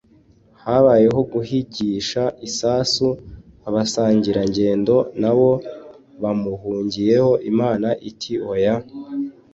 habayeho guhigisha isasu abasangirangendo n’aho bamuhungiye Imana iti “hoya